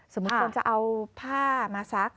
สมมติวันจะเอาผ้ามาซัก